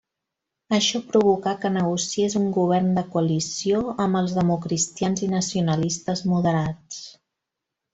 Això provocà que negociés un govern de coalició amb els democristians i nacionalistes moderats.